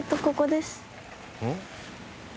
「うん？」